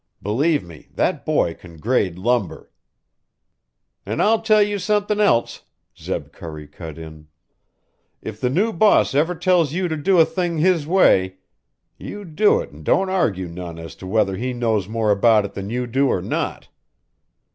Believe me that boy can grade lumber." "An' I'll tell you somethin' else," Zeb Curry cut in. "If the new boss ever tells you to do a thing his way, you do it an' don't argue none as to whether he knows more about it than you do or not."